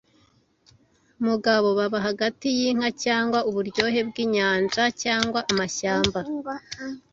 Mubagabo baba hagati yinka cyangwa uburyohe bwinyanja cyangwa amashyamba,